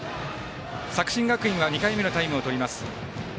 作新学院は２回目のタイムをとります。